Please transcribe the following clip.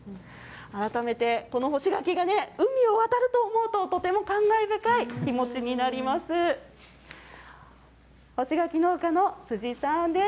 改めてこの干し柿がね、海を渡ると思うと、とても感慨深い気持ちになります。